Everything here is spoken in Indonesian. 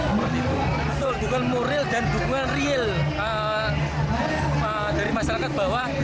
menurut ibu itu dukungan moral dan dukungan real dari masyarakat bahwa